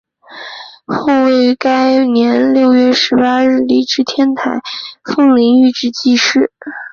后于该年六月十八日礼置天台奉领玉旨济世。